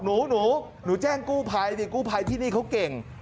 หนูหนูแจ้งกู้ภัยนี่กู้ภัยที่นี่เขาเก่ง